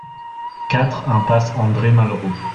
quatre impasse André Malraux